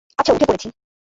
আচ্ছা, উঠে পড়েছি।